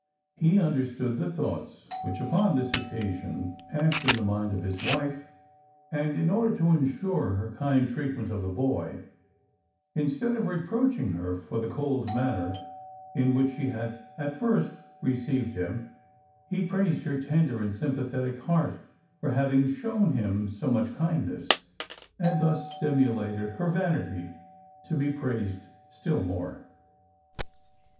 He understood the thoughts which, upon this occasion, passed in the mind of his wife, and in order to ensure her kind treatment of the boy, instead of reproaching her for the cold manner in which she had at first received him, he praised her tender and sympathetic heart for having shown him so much kindness, and thus stimulated her vanity to be praised still more.